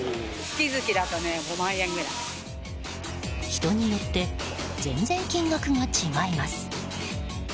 人によって全然、金額が違います。